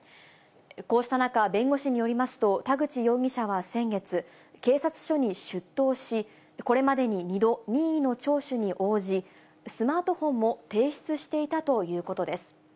こうした中、弁護士によりますと、田口容疑者は先月、警察署に出頭し、これまでに２度、任意の聴取に応じ、スマートフォンも提出していたということです。